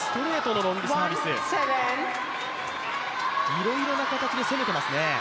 いろいろな形で攻めていますね。